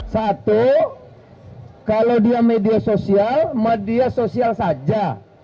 satu kalau dia media sosial media sosial saja